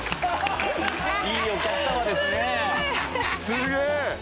すげえ！